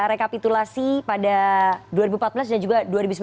rekapitulasi pada dua ribu empat belas dan juga dua ribu sembilan belas